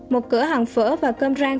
một cửa hàng phở và cơm rang